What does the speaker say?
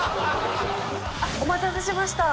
お待たせしました。